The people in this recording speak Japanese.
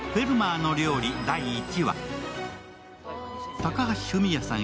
高橋文哉さん